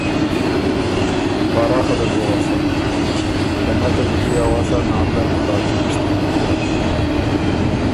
په اراخه دل بُو غؤسم، که نکت زلی اؤسا ناندر مُلا دی پِشتِنه کېون۔